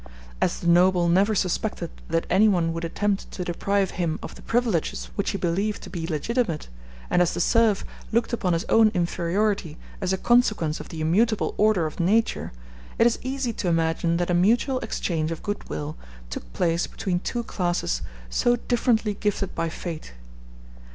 As the noble never suspected that anyone would attempt to deprive him of the privileges which he believed to be legitimate, and as the serf looked upon his own inferiority as a consequence of the immutable order of nature, it is easy to imagine that a mutual exchange of good will took place between two classes so differently gifted by fate.